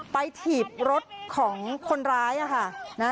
ถีบรถของคนร้ายค่ะ